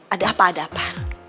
ada apa ada apa